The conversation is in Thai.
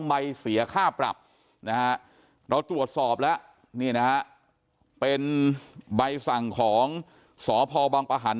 ใบเสียค่าปรับนะฮะเราตรวจสอบแล้วนี่นะฮะเป็นใบสั่งของสพบังปะหัน